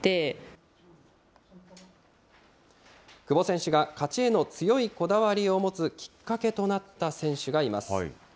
久保選手が勝ちへの強いこだわりを持つきっかけとなった選手がいます。